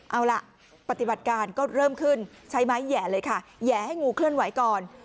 เอาล่ะปฏิบัติการก็เริ่มขึ้นใช้ไม้แห่เลยค่ะแห่ให้งูเคลื่อนไหวก่อน